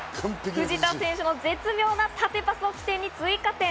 藤田選手の絶妙な縦パスを起点に追加点。